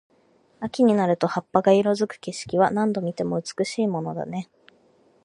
秋になると葉っぱが色付く景色は、何度見ても美しいものだね。